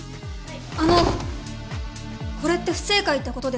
あのこれって不正解ってことですか？